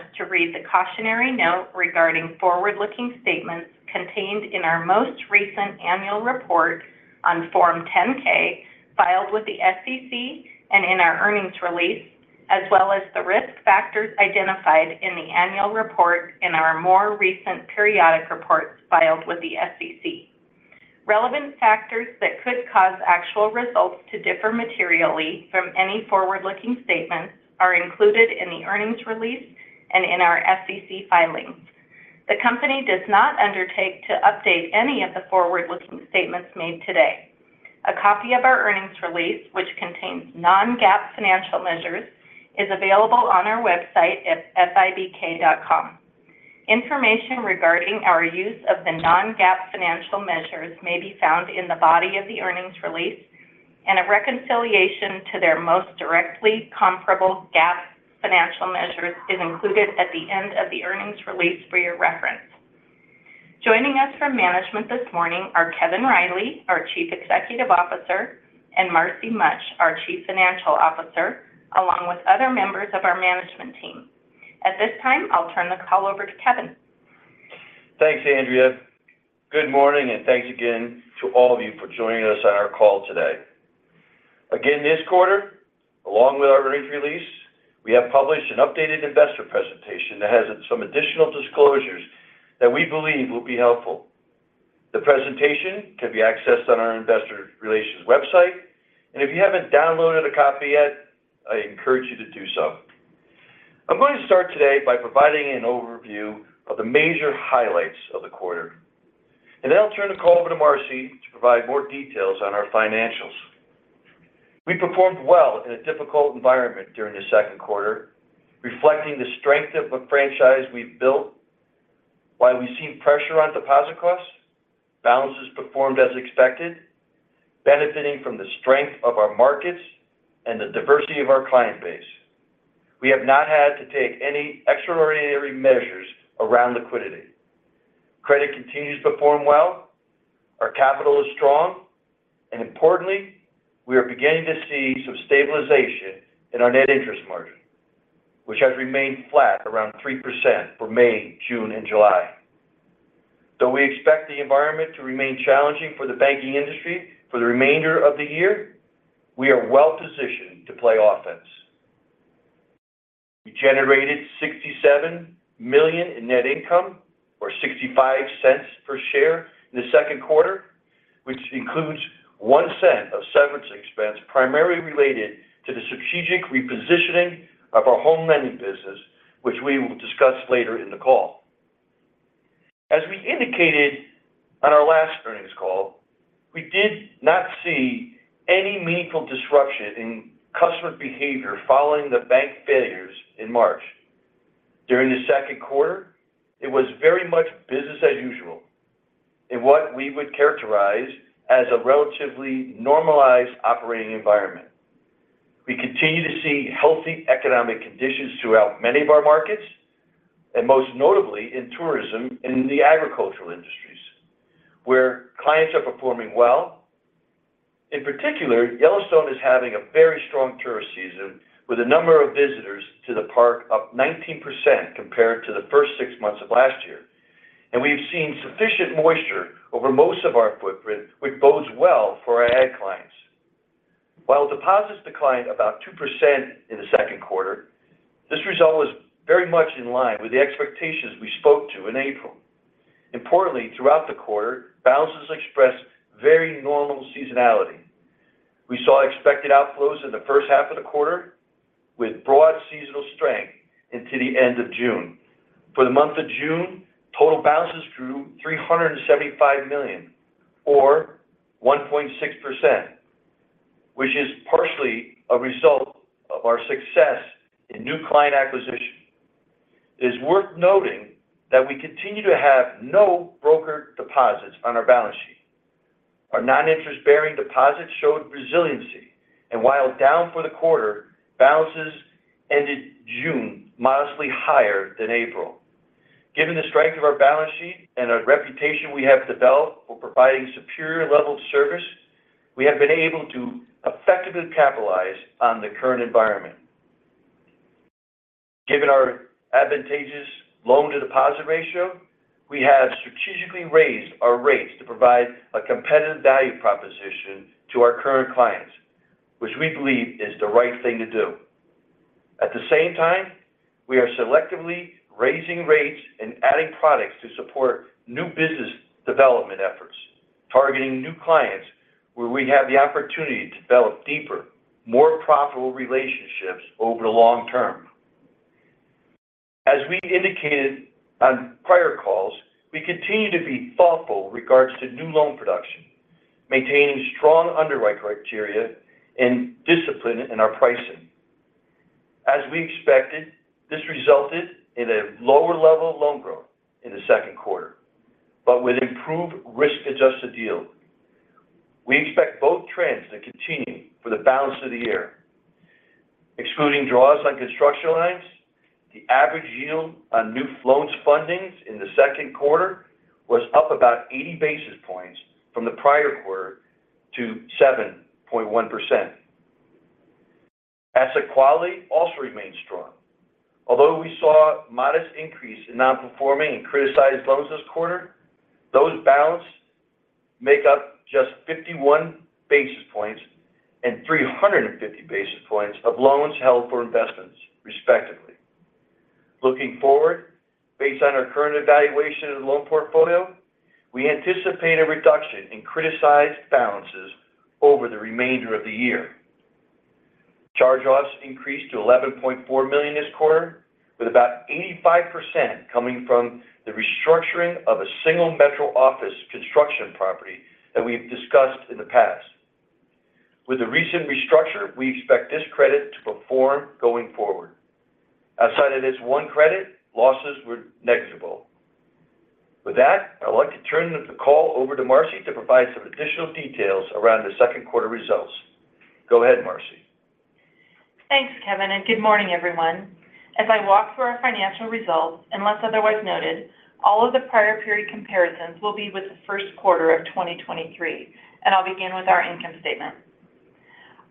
Listeners to read the cautionary note regarding forward-looking statements contained in our most recent annual report on Form 10-K, filed with the SEC and in our earnings release, as well as the risk factors identified in the annual report in our more recent periodic reports filed with the SEC. Relevant factors that could cause actual results to differ materially from any forward-looking statements are included in the earnings release and in our SEC filings. The company does not undertake to update any of the forward-looking statements made today. A copy of our Earnings Release, which contains non-GAAP financial measures, is available on our website at fibk.com. Information regarding our use of the non-GAAP financial measures may be found in the body of the earnings release, and a reconciliation to their most directly comparable GAAP financial measures is included at the end of the Earnings Release for your reference. Joining us from management this morning are Kevin Riley, our Chief Executive Officer, and Marcy Mutch, our Chief Financial Officer, along with other members of our management team. At this time, I'll turn the call over to Kevin. Thanks, Andrea. Good morning. Thanks again to all of you for joining us on our call today. This quarter, along with our earnings release, we have published an updated investor presentation that has some additional disclosures that we believe will be helpful. The presentation can be accessed on our investor relations website, and if you haven't downloaded a copy yet, I encourage you to do so. I'm going to start today by providing an overview of the major highlights of the quarter, and then I'll turn the call over to Marcy to provide more details on our financials. We performed well in a difficult environment during the second quarter, reflecting the strength of the franchise we've built. While we've seen pressure on deposit costs, balances performed as expected, benefiting from the strength of our markets and the diversity of our client base. We have not had to take any extraordinary measures around liquidity. Credit continues to perform well, our capital is strong, and importantly, we are beginning to see some stabilization in our net interest margin, which has remained flat around 3% for May, June and July. Though we expect the environment to remain challenging for the banking industry for the remainder of the year, we are well positioned to play offense. We generated $67 million in net income, or $0.65 per share in the second quarter, which includes $0.01 of severance expense, primarily related to the strategic repositioning of our home lending business, which we will discuss later in the call. As we indicated on our last earnings call, we did not see any meaningful disruption in customer behavior following the bank failures in March. During the second quarter, it was very much business as usual in what we would characterize as a relatively normalized operating environment. We continue to see healthy economic conditions throughout many of our markets, and most notably in tourism and in the agricultural industries, where clients are performing well. In particular, Yellowstone is having a very strong tourist season, with a number of visitors to the park up 19% compared to the first six months of last year. We've seen sufficient moisture over most of our footprint, which bodes well for our ad clients. While deposits declined about 2% in the second quarter, this result was very much in line with the expectations we spoke to in April. Importantly, throughout the quarter, balances expressed very normal seasonality. We saw expected outflows in the first half of the quarter, with broad seasonal strength into the end of June. For the month of June, total balances grew $375 million, or 1.6%, which is partially a result of our success in new client acquisition. It is worth noting that we continue to have no brokered deposits on our balance sheet. Our non-interest-bearing deposits showed resiliency, and while down for the quarter, balances ended June modestly higher than April. Given the strength of our balance sheet and the reputation we have developed for providing superior level of service, we have been able to effectively capitalize on the current environment. Given our advantageous loan-to-deposit ratio, we have strategically raised our rates to provide a competitive value proposition to our current clients, which we believe is the right thing to do. At the same time, we are selectively raising rates and adding products to support new business development efforts, targeting new clients where we have the opportunity to develop deeper, more profitable relationships over the long term. As we indicated on prior calls, we continue to be thoughtful regards to new loan production, maintaining strong underwriting criteria and discipline in our pricing. As we expected, this resulted in a lower level of loan growth in the second quarter, but with improved risk-adjusted yield. We expect both trends to continue for the balance of the year. Excluding draws on construction lines, the average yield on new loans fundings in the second quarter was up about 80 basis points from the prior quarter to 7.1%. Asset quality also remains strong. Although we saw a modest increase in non-performing and criticized loans this quarter, those balance make up just 51 basis points and 350 basis points of loans held for investments, respectively. Looking forward, based on our current evaluation of the loan portfolio, we anticipate a reduction in criticized balances over the remainder of the year. Charge-offs increased to $11.4 million this quarter, with about 85% coming from the restructuring of a single metro office construction property that we've discussed in the past. With the recent restructure, we expect this credit to perform going forward. Outside of this one credit, losses were negligible. With that, I'd like to turn the call over to Marcy to provide some additional details around the second quarter results. Go ahead, Marcy. Thanks, Kevin, and good morning, everyone. As I walk through our financial results, unless otherwise noted, all of the prior period comparisons will be with the first quarter of 2023, and I'll begin with our income statement.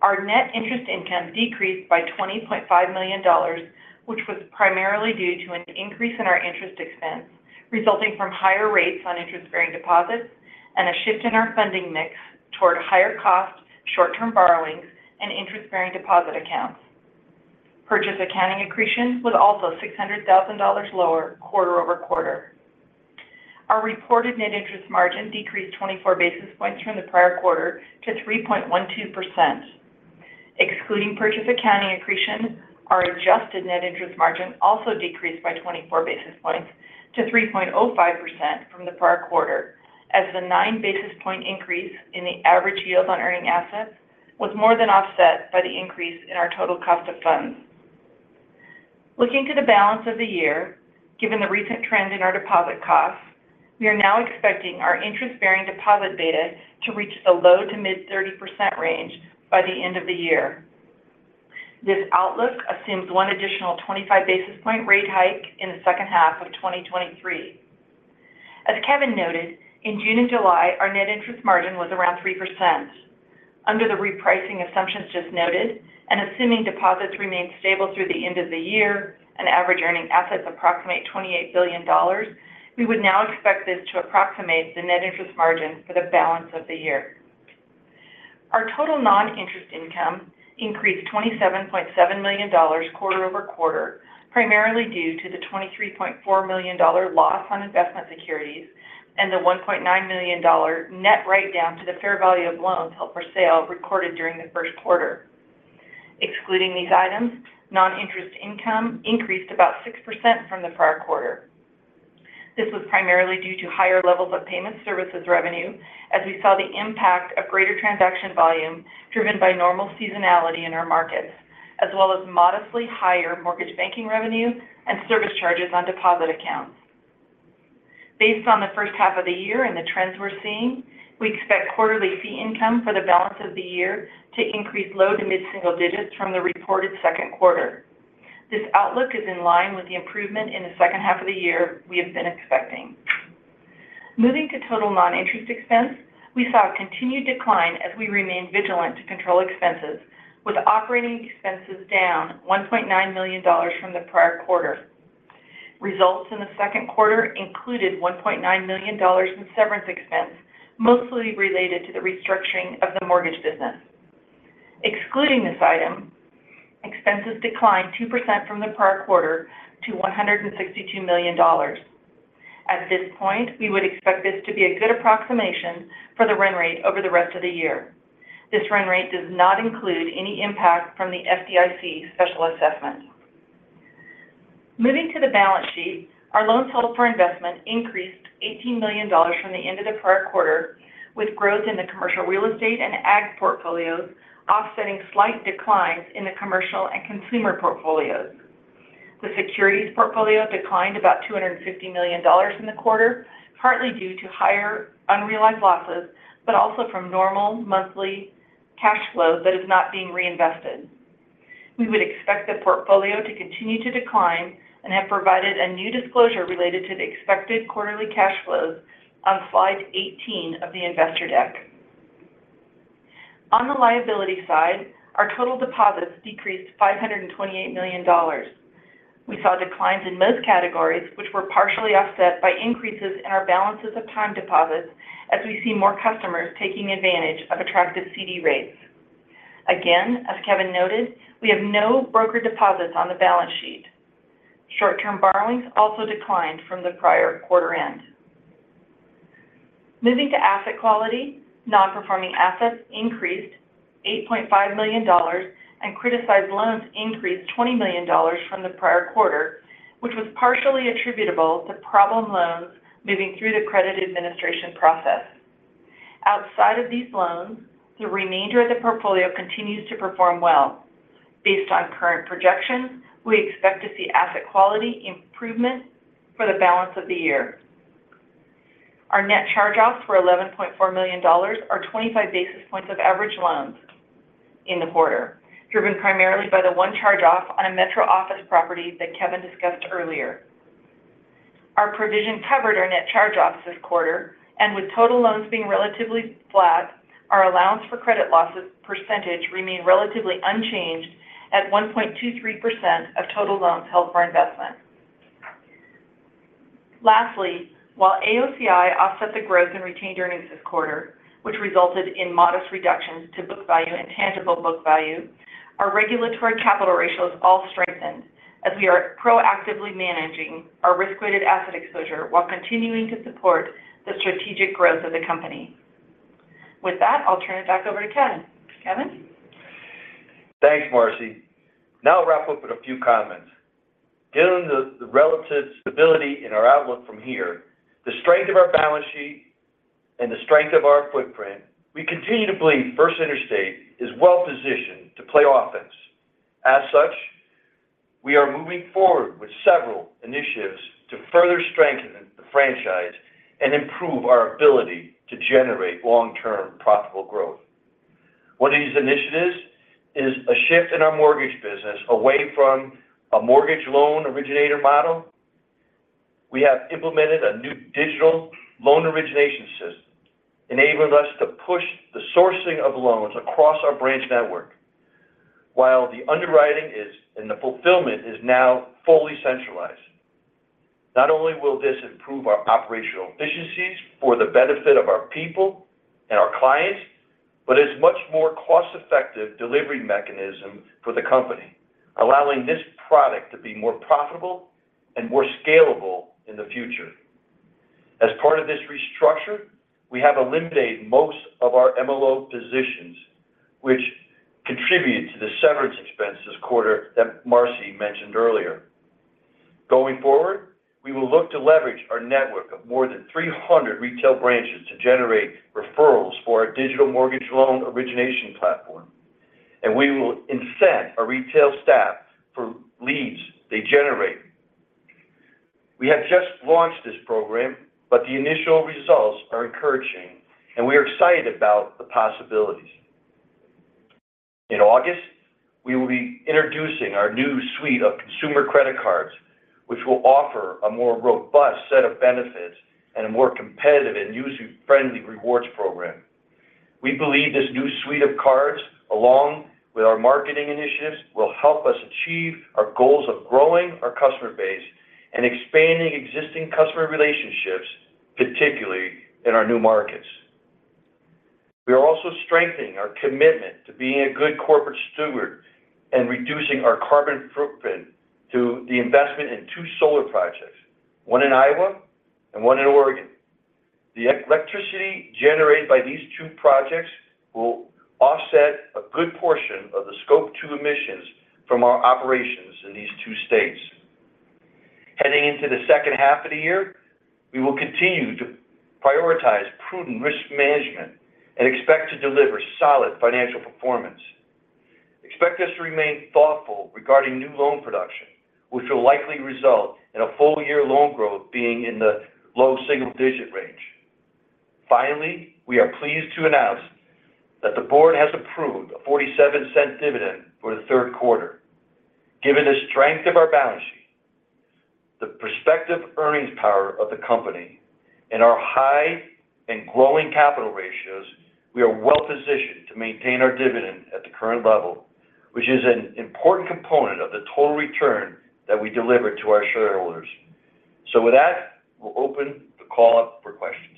Our net interest income decreased by $20.5 million, which was primarily due to an increase in our interest expense, resulting from higher rates on interest-bearing deposits and a shift in our funding mix toward higher cost, short-term borrowings, and interest-bearing deposit accounts. Purchase accounting accretion was also $600,000 lower quarter-over-quarter. Our reported net interest margin decreased 24 basis points from the prior quarter to 3.12%. Excluding purchase accounting accretion, our adjusted net interest margin also decreased by 24 basis points to 3.05% from the prior quarter, as the 9 basis point increase in the average yield on earning assets was more than offset by the increase in our total cost of funds. Looking to the balance of the year, given the recent trend in our deposit costs, we are now expecting our interest-bearing deposit beta to reach the low to mid-30% range by the end of the year. This outlook assumes one additional 25 basis point rate hike in the second half of 2023. As Kevin noted, in June and July, our net interest margin was around 3%. Under the repricing assumptions just noted, and assuming deposits remain stable through the end of the year and average earning assets approximate $28 billion, we would now expect this to approximate the net interest margin for the balance of the year. Our total non-interest income increased $27.7 million quarter-over-quarter, primarily due to the $23.4 million loss on investment securities and the $1.9 million net write-down to the fair value of loans held for sale recorded during the first quarter. Excluding these items, non-interest income increased about 6% from the prior quarter. This was primarily due to higher levels of payment services revenue, as we saw the impact of greater transaction volume driven by normal seasonality in our markets, as well as modestly higher mortgage banking revenue and service charges on deposit accounts. Based on the first half of the year and the trends we're seeing, we expect quarterly fee income for the balance of the year to increase low to mid-single digits from the reported second quarter. This outlook is in line with the improvement in the second half of the year we have been expecting. Moving to total non-interest expense, we saw a continued decline as we remained vigilant to control expenses, with operating expenses down $1.9 million from the prior quarter. Results in the second quarter included $1.9 million in severance expense, mostly related to the restructuring of the mortgage business. Excluding this item, expenses declined 2% from the prior quarter to $162 million. At this point, we would expect this to be a good approximation for the run rate over the rest of the year. This run rate does not include any impact from the FDIC special assessment. Moving to the balance sheet, our loans held for investment increased $18 million from the end of the prior quarter, with growth in the commercial real estate and ag portfolios offsetting slight declines in the commercial and consumer portfolios. The securities portfolio declined about $250 million in the quarter, partly due to higher unrealized losses, but also from normal monthly cash flow that is not being reinvested. We would expect the portfolio to continue to decline and have provided a new disclosure related to the expected quarterly cash flows on slide 18 of the investor deck. On the liability side, our total deposits decreased $528 million. We saw declines in most categories, which were partially offset by increases in our balances of time deposits as we see more customers taking advantage of attractive CD rates. Again, as Kevin noted, we have no broker deposits on the balance sheet. Short-term borrowings also declined from the prior quarter end. Moving to asset quality, non-performing assets increased $8.5 million, and criticized loans increased $20 million from the prior quarter, which was partially attributable to problem loans moving through the credit administration process. Outside of these loans, the remainder of the portfolio continues to perform well. Based on current projections, we expect to see asset quality improvement for the balance of the year. Our net charge-offs were $11.4 million, or 25 basis points of average loans in the quarter, driven primarily by the one charge-off on a metro office property that Kevin discussed earlier. Our provision covered our net charge-offs this quarter, and with total loans being relatively flat, our allowance for credit losses percentage remained relatively unchanged at 1.23% of total loans held for investment. Lastly, while AOCI offset the growth in retained earnings this quarter, which resulted in modest reductions to book value and tangible book value, our regulatory capital ratios all strengthened as we are proactively managing our risk-weighted asset exposure while continuing to support the strategic growth of the company. With that, I'll turn it back over to Kevin. Kevin? Thanks, Marcy. I'll wrap up with a few comments. Given the relative stability in our outlook from here, the strength of our balance sheet and the strength of our footprint, we continue to believe First Interstate is well positioned to play offense. As such, we are moving forward with several initiatives to further strengthen the franchise and improve our ability to generate long-term profitable growth. One of these initiatives is a shift in our mortgage business away from a mortgage loan originator model. We have implemented a new digital loan origination system, enabling us to push the sourcing of loans across our branch network, while the underwriting and the fulfillment is now fully centralized. Not only will this improve our operational efficiencies for the benefit of our people and our clients, but it's much more cost-effective delivery mechanism for the company, allowing this product to be more profitable and more scalable in the future. As part of this restructure, we have eliminated most of our MLO positions, which contributed to the severance expense this quarter that Marcy mentioned earlier. Going forward, we will look to leverage our network of more than 300 retail branches to generate referrals for our digital mortgage loan origination platform, and we will incent our retail staff for leads they generate. We have just launched this program, but the initial results are encouraging, and we are excited about the possibilities. In August, we will be introducing our new suite of consumer credit cards, which will offer a more robust set of benefits and a more competitive and user-friendly rewards program. We believe this new suite of cards, along with our marketing initiatives, will help us achieve our goals of growing our customer base and expanding existing customer relationships, particularly in our new markets. We are also strengthening our commitment to being a good corporate steward and reducing our carbon footprint through the investment in two solar projects, one in Iowa and one in Oregon. The electricity generated by these two projects will offset a good portion of the Scope 2 emissions from our operations in these two states. Heading into the second half of the year, we will continue to prioritize prudent risk management and expect to deliver solid financial performance. Expect us to remain thoughtful regarding new loan production, which will likely result in a full-year loan growth being in the low single-digit range. Finally, we are pleased to announce that the board has approved a $0.47 dividend for the third quarter. Given the strength of our balance sheet, the prospective earnings power of the company, and our high and growing capital ratios, we are well positioned to maintain our dividend at the current level, which is an important component of the total return that we deliver to our shareholders. With that, we'll open the call up for questions.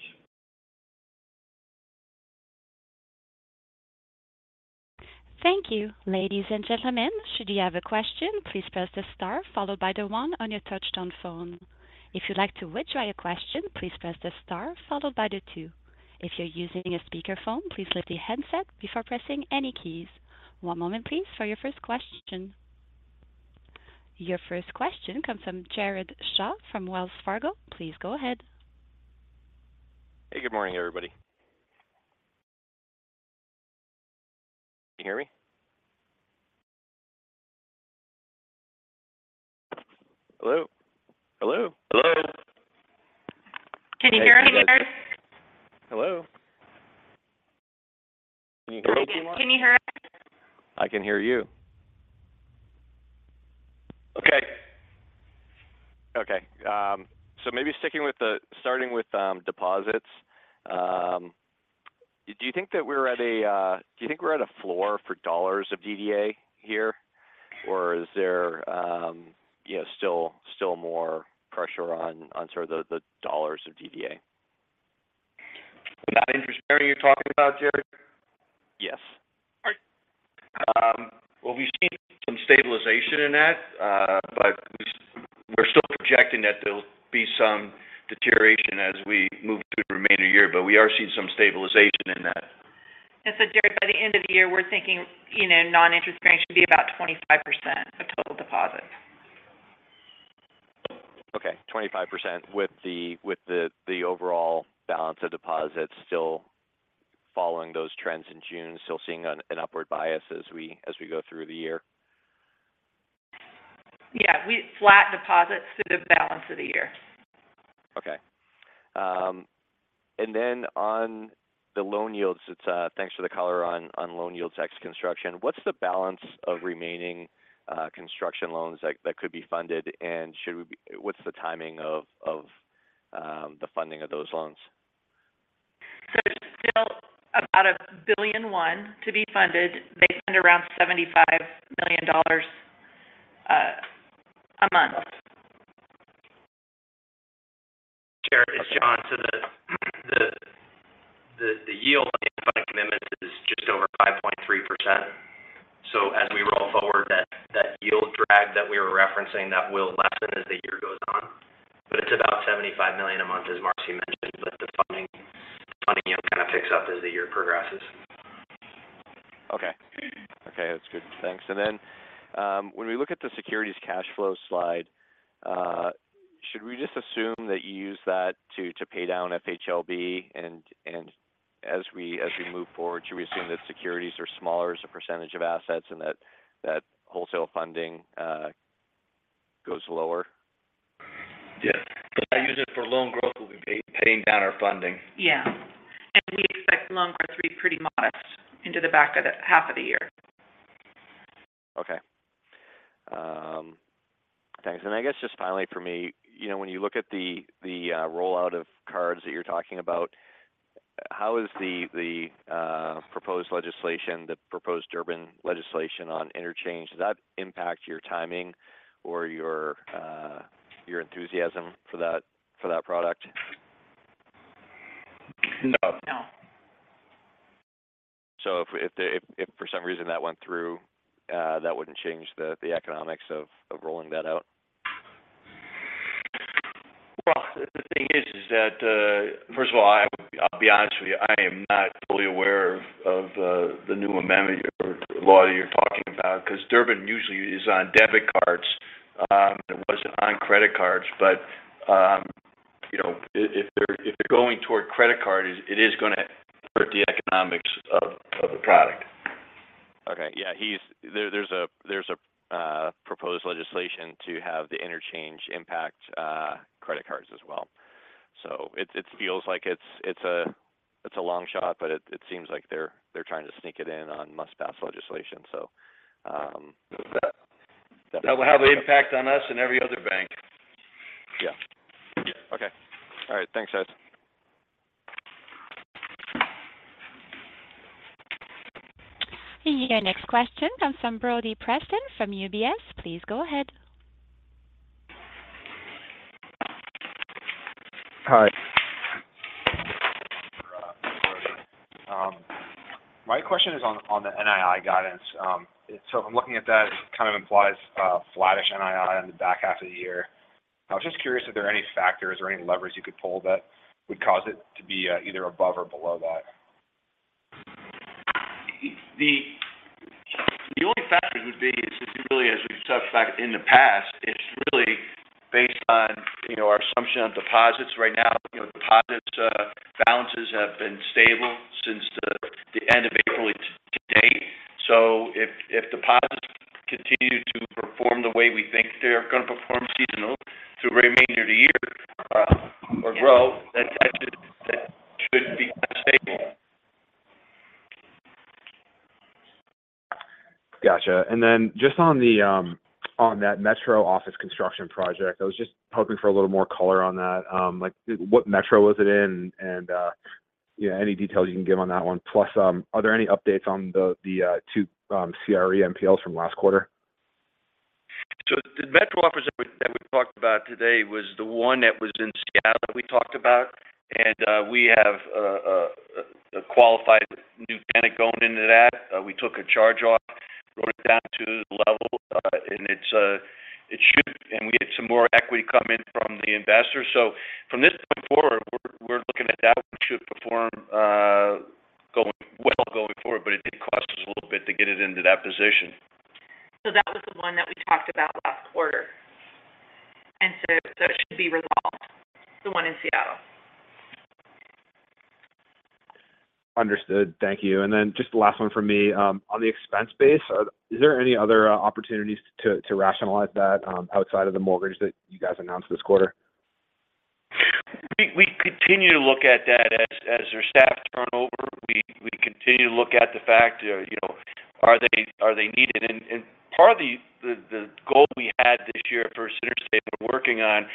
Thank you. Ladies and gentlemen, should you have a question, please press the star followed by the one on your touchtone phone. If you'd like to withdraw your question, please press the star followed by the two. If you're using a speakerphone, please lift the handset before pressing any keys. One moment, please, for your first question. Your first question comes from Jared Shaw from Wells Fargo. Please go ahead. Hey, good morning, everybody. Can you hear me? Hello? Hello. Hello. Can you hear me, Jared? Hello? Can you hear me, Marcy? Can you hear us? I can hear you. Okay. Maybe starting with deposits. Do you think we're at a floor for dollars of DDA here, or is there, yeah, still more pressure on sort of the dollars of DDA? Non-interest bearing, you're talking about, Jared? Yes. Well, we've seen some stabilization in that, but we're still projecting that there'll be some deterioration as we move through the remainder year, but we are seeing some stabilization in that. Jared, by the end of the year, we're thinking, you know, non-interest bearing should be about 25% of total deposits. 25% with the overall balance of deposits still following those trends in June, still seeing an upward bias as we go through the year? Yeah, flat deposits through the balance of the year. Okay, then on the loan yields, it's, thanks for the color on loan yields, ex construction. What's the balance of remaining construction loans that could be funded? Should we be what's the timing of the funding of those loans? There's still about $1.1 billion to be funded. They spend around $75 million a month. Jared, it's John. The yield on the funding commitments is just over 5.3%. As we roll forward, that yield drag that we were referencing, that will lessen as the year goes on. It's about $75 million a month, as Marcy mentioned, but the funding, you know, kind of picks up as the year progresses. Okay. Okay, that's good. Thanks. When we look at the securities cash flow slide, should we just assume that you use that to pay down FHLB? As we move forward, should we assume that securities are smaller as a percentage of assets and that wholesale funding goes lower? Yeah. I use it for loan growth, we'll be paying down our funding. We expect loan growth to be pretty modest into the back of the half of the year. Okay. Thanks. I guess just finally, for me, you know, when you look at the rollout of cards that you're talking about, how is the proposed legislation, the proposed Durbin legislation on interchange, does that impact your timing or your enthusiasm for that, for that product? No. No. If for some reason that went through, that wouldn't change the economics of rolling that out? The thing is, is that, first of all, I'll be honest with you, I am not fully aware of the new amendment or law you're talking about, because Durbin usually is on debit cards, it wasn't on credit cards. you know, if they're going toward credit card, it is going to hurt the economics of the product. Okay. Yeah, there's a proposed legislation to have the interchange impact credit cards as well. It feels like it's a long shot, but it seems like they're trying to sneak it in on must-pass legislation. That will have an impact on us and every other bank. Yeah. Yeah. Okay. All right. Thanks, guys. Your next question comes from Brody Preston from UBS. Please go ahead. Hi. My question is on the NII guidance. If I'm looking at that, it kind of implies a flattish NII on the back half of the year. I was just curious if there are any factors or any levers you could pull that would cause it to be either above or below that? The only factors would be, is really, as we've touched back in the past, it's really based on, you know, our assumption on deposits right now. You know, deposits balances have been stable since the end of April to date. If deposits continue to perform the way we think they're going to perform seasonally through the remainder of the year, or grow, then that should be stable. Gotcha. Then just on the Metro Office construction project, I was just hoping for a little more color on that. Like, what Metro was it in? Yeah, any details you can give on that one. Plus, are there any updates on the two CRE NPLs from last quarter? The metro office that we talked about today was the one that was in Seattle we talked about, and we have a qualified new tenant going into that. We took a charge off, brought it down to the level, and we get some more equity coming from the investor. From this point forward, we're looking at that one should perform, going well going forward, but it did cost us a little bit to get it into that position. That was the one that we talked about last quarter. So it should be resolved, the one in Seattle. Understood. Thank you. Just the last one from me. On the expense base, is there any other opportunities to rationalize that outside of the mortgage that you guys announced this quarter? We continue to look at that as their staff turnover, we continue to look at the fact, you know, are they needed? Part of the goal we had this year at First Interstate, we're working on,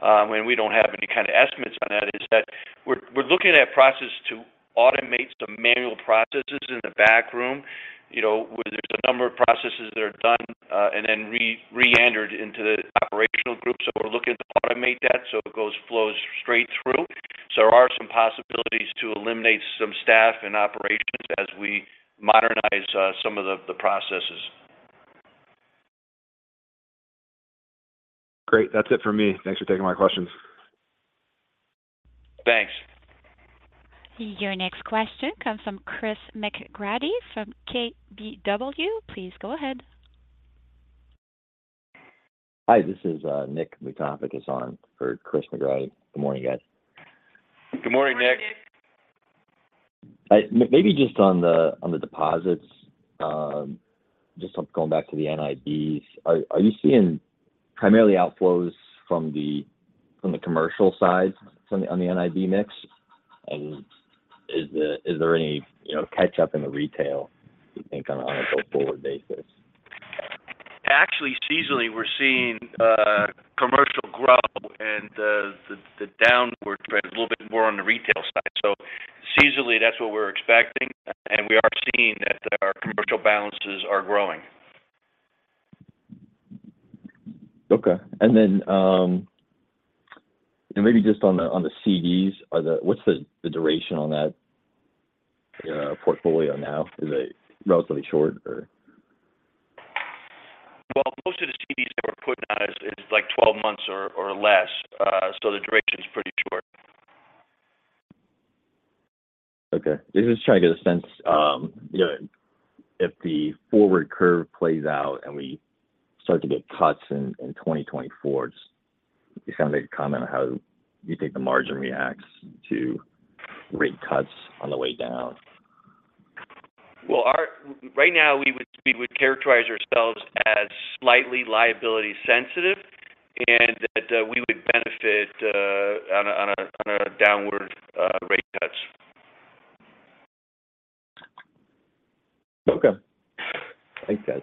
and we don't have any kind of estimates on that, is that we're looking at processes to automate some manual processes in the back room. You know, where there's a number of processes that are done, and then re-entered into the operational group. We're looking to automate that so it flows straight through. There are some possibilities to eliminate some staff and operations as we modernize some of the processes. Great. That's it for me. Thanks for taking my questions. Thanks. Your next question comes from Chris McGratty, from KBW. Please go ahead. Hi, this is Nick Moutafakis is on for Chris McGratty. Good morning, guys. Good morning, Nick. Maybe just on the, on the deposits, just on going back to the NIBs, are you seeing primarily outflows from the commercial side on the NIB mix? Is there any, you know, catch up in the retail, you think, on a go-forward basis? Actually, seasonally, we're seeing, commercial grow and, the downward trend is a little bit more on the retail side. Seasonally, that's what we're expecting, and we are seeing that our commercial balances are growing. Okay. maybe just on the, on the CDs, what's the, the duration on that, portfolio now? Is it relatively short or? Most of the CDs that we're putting on is like 12 months or less. The duration is pretty short. Okay. Just trying to get a sense, you know, if the forward curve plays out and we start to get cuts in 2024, just if you can make a comment on how you think the margin reacts to rate cuts on the way down? Right now, we would characterize ourselves as slightly liability sensitive, and that, we would benefit on a downward rate cuts. Okay. Thanks, guys.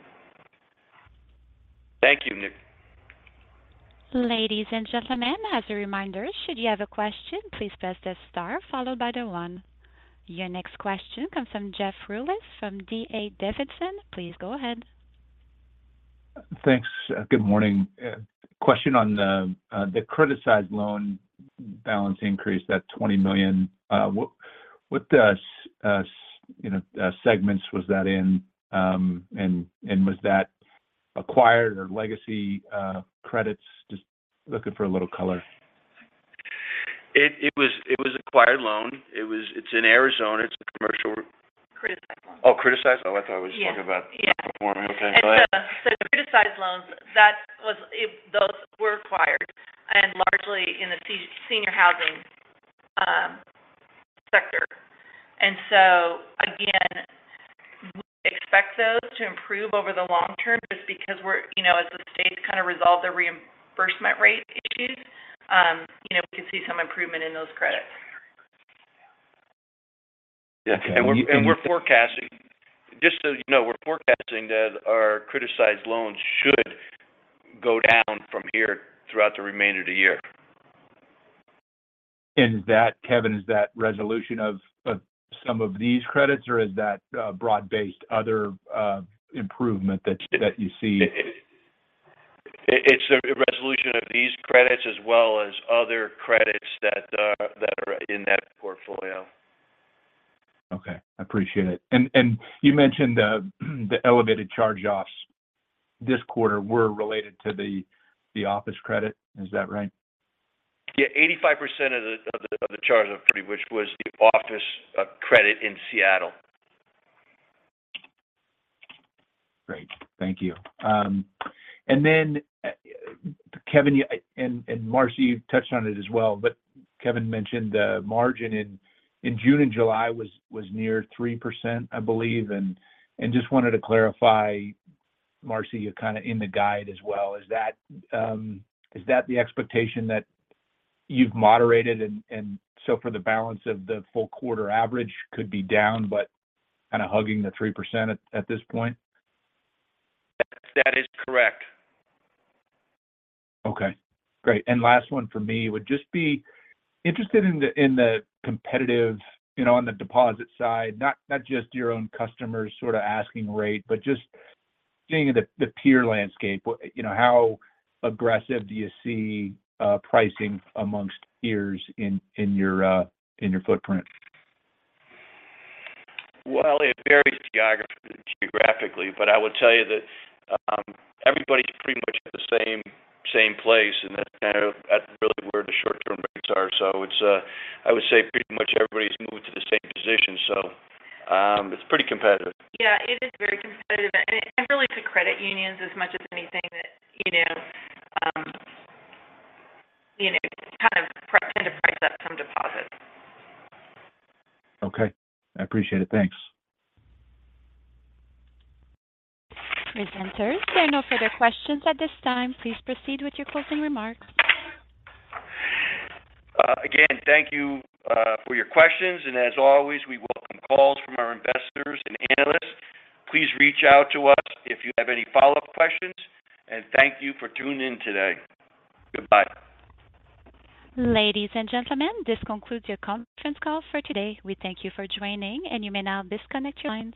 Thank you, Nick. Ladies and gentlemen, as a reminder, should you have a question, please press the star followed by the one. Your next question comes from Jeff Rulis from D.A. Davidson. Please go ahead. Thanks. Good morning. Question on the criticized loan balance increase, that $20 million. What, you know, segments was that in? Was that acquired or legacy credits? Just looking for a little color. It was acquired loan. It's in Arizona. It's a commercial- Criticized loan. Oh, criticized? Yeah. Oh, I thought we were talking about- Yeah performing. Okay, go ahead. It's the criticized loans, those were acquired and largely in the senior housing sector. Again, we expect those to improve over the long term just because we're, you know, as the states kind of resolve the reimbursement rate issues, you know, we could see some improvement in those credits. Yeah. We're forecasting. Just so you know, we're forecasting that our criticized loans should go down from here throughout the remainder of the year. That, Kevin, is that resolution of some of these credits, or is that broad-based other improvement that you, that you see? It's a resolution of these credits as well as other credits that are in that portfolio. Okay, I appreciate it. And you mentioned the elevated charge-offs this quarter were related to the office credit. Is that right? Yeah, 85% of the charge-off, which was the office, credit in Seattle. Great. Thank you. Then Kevin, and Marcy, you touched on it as well, but Kevin mentioned the margin in June and July was near 3%, I believe. Just wanted to clarify, Marcy, you kind of in the guide as well, is that the expectation that you've moderated and so for the balance of the full quarter average could be down, but kind of hugging the 3% at this point? That is correct. Okay, great. Last one for me would just be interested in the competitive, on the deposit side, not just your own customers sort of asking rate, but just seeing the peer landscape. How aggressive do you see pricing amongst peers in your in your footprint? Well, it varies geographically, but I would tell you that, everybody's pretty much at the same place, and that's kind of, really where the short-term rates are. It's, I would say pretty much everybody's moved to the same position. It's pretty competitive. Yeah, it is very competitive, and really to credit unions as much as anything that, you know, kind of tend to price up some deposits. Okay. I appreciate it. Thanks. Presenters, there are no further questions at this time. Please proceed with your closing remarks. Again, thank you for your questions. As always, we welcome calls from our investors and analysts. Please reach out to us if you have any follow-up questions, and thank you for tuning in today. Goodbye. Ladies and gentlemen, this concludes your conference call for today. We thank you for joining. You may now disconnect your lines.